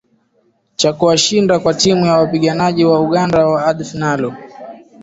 cha kuwashinda kwa timu ya wapiganaji wa uganda wa adf nalu